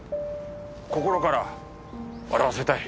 心から笑わせたい。